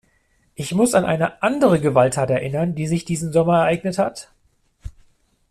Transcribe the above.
Ich muss an eine andere Gewalttat erinnern, die sich diesen Sommer ereignet hat.